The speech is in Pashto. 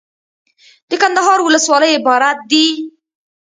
دکندهار ولسوالۍ عبارت دي.